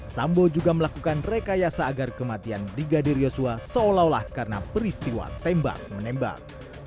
sambo juga melakukan rekayasa agar kematian brigadir yosua seolah olah karena peristiwa tembak menembak